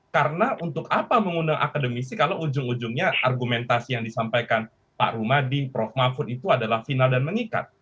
karena untuk apa mengundang akademisi kalau ujung ujungnya argumentasi yang disampaikan pak rumadi prof mahfud itu adalah final dan mengikat